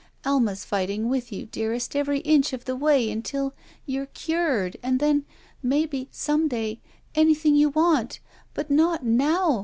Alma's fighting with you dearest every inch of the way until — you're cured! And then — maybe — some day — anything you want ! But not now.